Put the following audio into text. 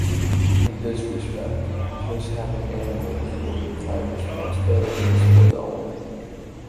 In this respect, just having animals will imply responsibilities for the owner.